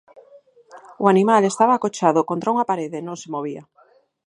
O animal estaba acochado contra unha parede e non se movía.